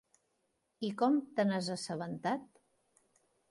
I com te n'has assabentat?